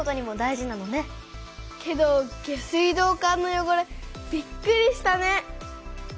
けど下水道管のよごれびっくりしたね。